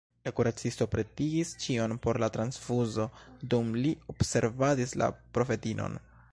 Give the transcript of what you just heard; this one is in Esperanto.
La kuracisto pretigis ĉion por la transfuzo, dum li observadis la profetinon.